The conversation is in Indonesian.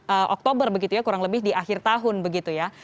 di oktober begitu ya kurang lebih di akhir tahun begitu ya